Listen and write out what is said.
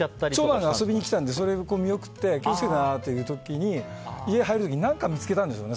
長男が遊びに来たのでそれを見送って気をつけてなっていう時に家に入る時何か見つけたんでしょうね。